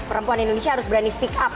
perempuan indonesia harus berani speak up